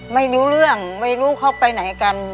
ไม่รู้เรื่องไม่รู้เขาไปไหนกัน